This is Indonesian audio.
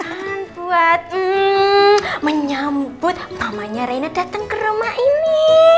kan buat menyambut mamanya reina datang ke rumah ini